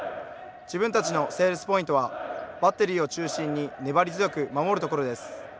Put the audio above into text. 自分たちのセールスポイントはバッテリーを中心に粘り強く守るところです。